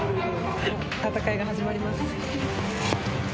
戦いが始まります。